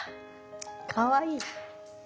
かわいい！